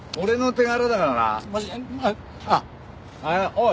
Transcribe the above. おい！